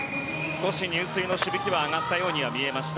少し入水のしぶきは上がったように見えました。